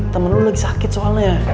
temen lo lagi sakit soalnya